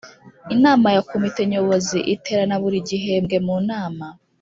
Inama ya Komite Nyobozi Iterana buri Gihembwe mu nama